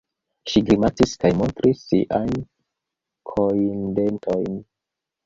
Ŝi grimacis kaj montris siajn kojndentojn.